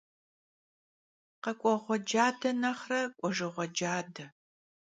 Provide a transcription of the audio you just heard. Khek'ueğue cade nexhre k'uejjığue cade.